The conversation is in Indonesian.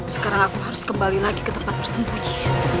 sekarang aku harus kembali lagi ke tempat bersembunyi